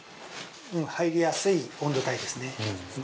◆うん、入りやすい温度帯ですね。